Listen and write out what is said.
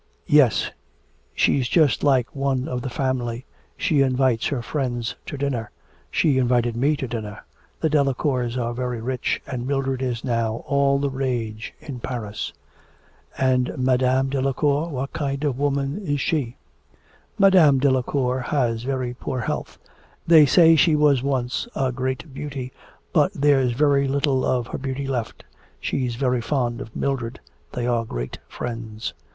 'Yes; she's just like one of the family. She invites her friends to dinner. She invited me to dinner. The Delacours are very rich, and Mildred is now all the rage in Paris.' 'And Madame Delacour, what kind of a woman is she?' 'Madame Delacour has very poor health, they say she was once a great beauty, but there's very little of her beauty left. ... She's very fond of Mildred. They are great friends.'